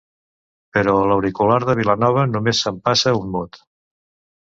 Però l'auricular de Vilanova només s'empassa un mot.